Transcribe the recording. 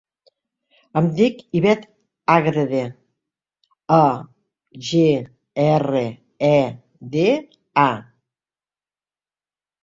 Em dic Ivet Agreda: a, ge, erra, e, de, a.